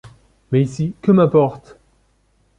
Mais ici, que m’importe ?